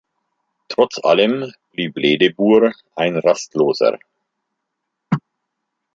Trotz allem blieb Ledebur ein Rastloser.